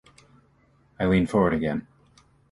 I leaned forward again.